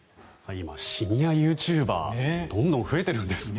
今、シニアユーチューバーどんどん増えてるんですね。